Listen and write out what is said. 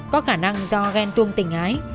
có khả năng do ghen tuông tình ái